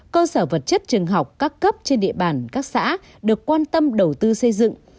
cơ sở vật chất trường học các cấp trên địa bàn các xã được quan tâm đầu tư xây dựng